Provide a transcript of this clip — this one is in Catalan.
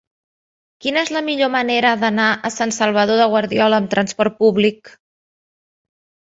Quina és la millor manera d'anar a Sant Salvador de Guardiola amb trasport públic?